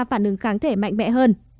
phản ứng kháng thể mạnh mẽ hơn